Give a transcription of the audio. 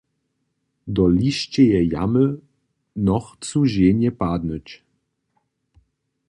Do liščeje jamy nochcu ženje padnyć.